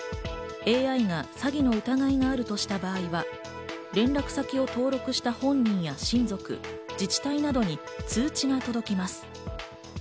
ＡＩが詐欺の疑いがあるとした場合は連絡先を登録した本人や親族、自治体などに通知が届きます。